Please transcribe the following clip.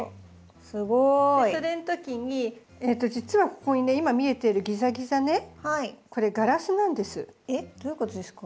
すごい。それのときに実はここにね今見えてるギザギザねこれえっどういうことですか？